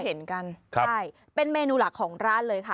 ก็ข้าจะไปถึงวันหนึ่ง